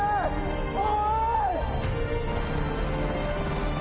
おい！